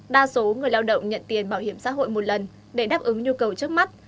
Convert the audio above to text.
đa số người lao động nhận tiền bảo hiểm xã hội một lần để đáp ứng nhu cầu trước mắt